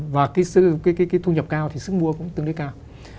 và cái thu nhập cao thì sức mua cũng tương đối cao